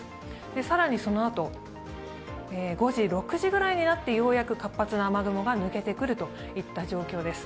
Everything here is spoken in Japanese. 更にそのあと、５時、６時ぐらいになってようやく活発な雨雲が抜けてくるといった状況です。